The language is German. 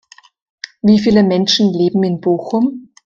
Wie viele Menschen leben in Bochum?